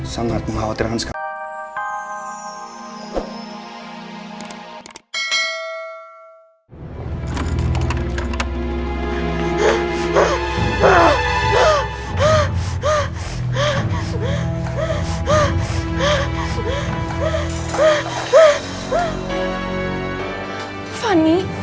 sangat mengkhawatirkan sekarang